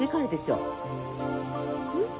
うん？